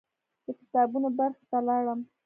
د کتابونو برخې ته لاړم.